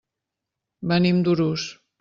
Venim d'Urús.